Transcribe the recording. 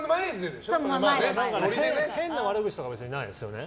変な悪口とかはないですよね。